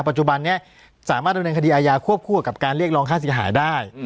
สามารถเรียนรางคดีอายาควบคู่กับการเรียกร้องค่าเสียหายได้